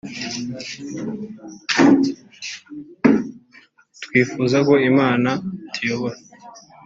twifuza ko Imana ituyobora